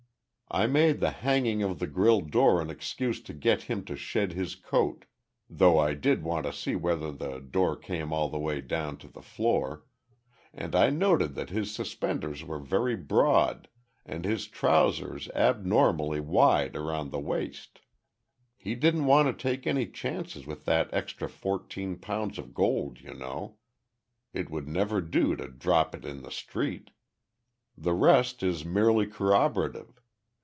I made the hanging of the grille door an excuse to get him to shed his coat though I did want to see whether the door came all the way down to the floor and I noted that his suspenders were very broad and his trousers abnormally wide around the waist. He didn't want to take any chances with that extra fourteen pounds of gold, you know. It would never do to drop it in the street. "The rest is merely corroborative.